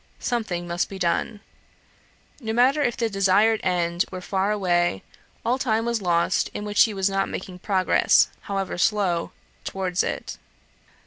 Something must be done. No matter if the desired end were far away; all time was lost in which she was not making progress, however slow, towards it.